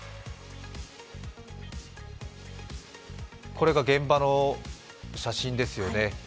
これが現場の写真ですよね。